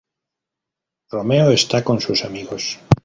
Romeo está con sus amigos.